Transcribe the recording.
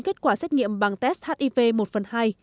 kết quả xét nghiệm bằng test hiv một phần hai